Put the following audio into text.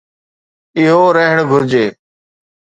اهو رهڻ گهرجي.